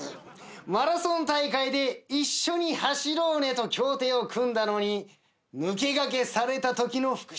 マラソン大会で一緒に走ろうねと協定を組んだのに抜け駆けされたときの復讐。